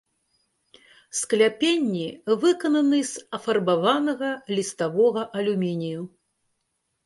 Скляпенні выкананы з афарбаванага ліставога алюмінію.